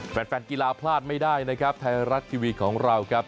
แฟนแฟนกีฬาพลาดไม่ได้นะครับไทยรัฐทีวีของเราครับ